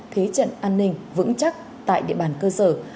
thế trận an ninh vững chắc tại địa bàn cơ sở